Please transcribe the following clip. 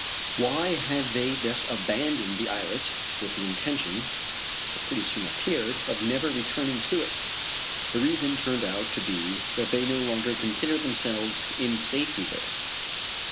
Why had they thus abandoned the islet with the intention, as it pretty soon appeared, of never returning to it? The reason turned out to be that they no longer considered themselves in safety there.